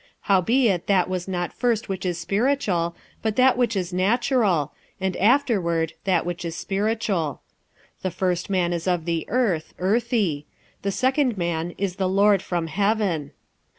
46:015:046 Howbeit that was not first which is spiritual, but that which is natural; and afterward that which is spiritual. 46:015:047 The first man is of the earth, earthy; the second man is the Lord from heaven.